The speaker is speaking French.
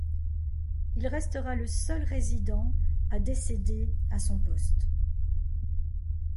Il restera le seul résident à décéder à son poste.